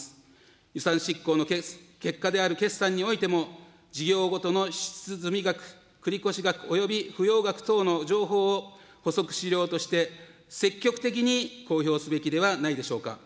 予算執行の結果である決算においても、事業ごとの支出済額、繰越額および不用額等の情報を補足資料として積極的に公表すべきではないでしょうか。